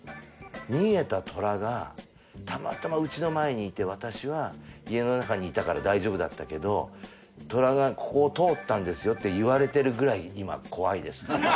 逃げた虎がたまたま家の前にいて私は家の中にいたから大丈夫だったけど虎がここを通ったんですよって言われてるくらい今怖いですって。